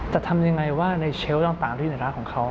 แต่ทำอย่างไรว่าในเชลล์ต่างด้วยเนื้อราคาของเขา